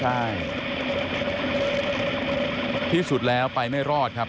หนีสุดชีวิตตรงนี้